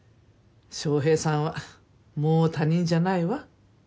翔平さんはもう他人じゃないわ。